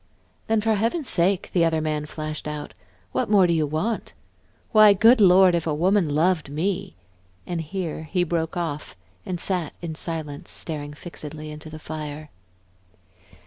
"Then, for Heaven's sake," the other man flashed out, "what more do you want? Why, good Lord, if a woman loved me!" and here he broke off and sat in silence, staring fixedly into the fire.